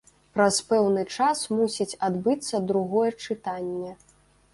Праз пэўны час мусіць адбыцца другое чытанне.